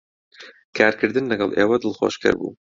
کارکردن لەگەڵ ئێوە دڵخۆشکەر بوو.